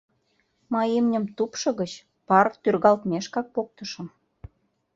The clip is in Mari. Мый имньым тупшо гыч пар тӱргалтмешкак поктышым.